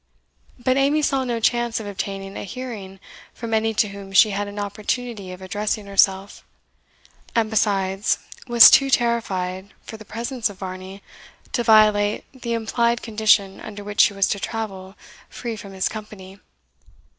But Amy saw no chance of obtaining a hearing from any to whom she had an opportunity of addressing herself; and besides, was too terrified for the presence of Varney to violate the implied condition under which she was to travel free from his company.